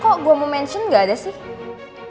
kok gue mau mention gak ada sih pembicara empat puluh satu